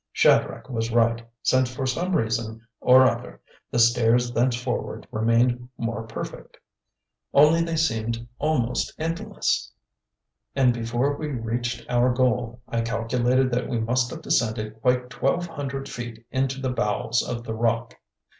Shadrach was right, since for some reason or other the stairs thenceforward remained more perfect. Only they seemed almost endless, and before we reached our goal I calculated that we must have descended quite twelve hundred feet into the bowels of the rock.